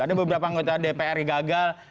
ada beberapa anggota dpr yang gagal